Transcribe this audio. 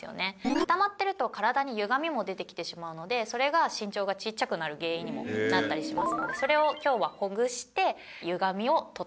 「固まってると体に歪みも出てきてしまうのでそれが身長がちっちゃくなる原因にもなったりしますのでそれを今日はほぐして歪みを取っていきます」